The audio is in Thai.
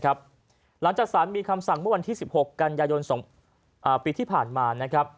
หลังจากสารมีคำสั่งเมื่อวันที่๑๖กันยายน๒ปีที่ผ่านมานะครับ